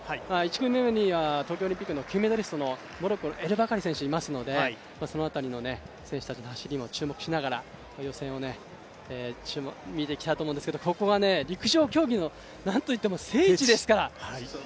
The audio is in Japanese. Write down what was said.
１組目には東京オリンピックの金メダルのモロッコのエル・バカリ選手もいますのでその辺りの選手たちの走りも注目しながら予選を見ていきたいと思うんですけど、ここは陸上競技のなんといっても聖地ですから。